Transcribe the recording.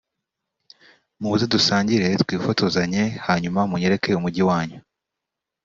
muze dusangire twifotozanye hanyuma munyereke umujyi wanyu